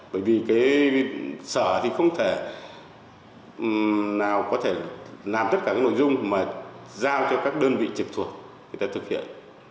bởi vì cái sở thì không thể nào có thể làm tất cả các nội dung mà giao cho các đơn vị trực thuộc người ta thực hiện